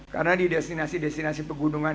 karena di destinasi destinasi pegunungan